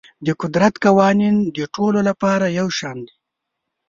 د قدرت قوانین د ټولو لپاره یو شان دي.